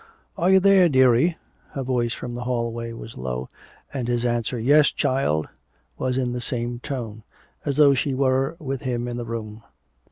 "Are you there, dearie?" Her voice from the hallway was low; and his answer, "Yes, child," was in the same tone, as though she were with him in the room.